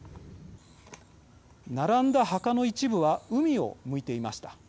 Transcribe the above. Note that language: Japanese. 並んだ墓の一部は海を向いていました。